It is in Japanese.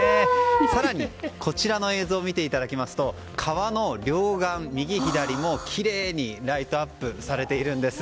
更に、こちらの映像を見ていただきますと川の両岸、右、左にきれいにライトアップされているんです。